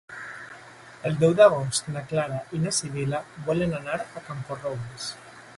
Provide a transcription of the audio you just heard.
El deu d'agost na Clara i na Sibil·la volen anar a Camporrobles.